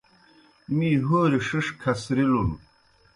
می ہوریْ ݜِݜ کھسرِلُن۔